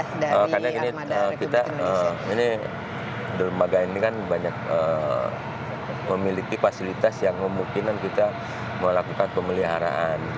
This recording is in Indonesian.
karena ini kita ini dermaga ini kan banyak memiliki fasilitas yang memungkinkan kita melakukan pemeliharaan